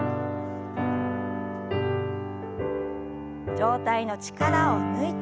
上体の力を抜いて前。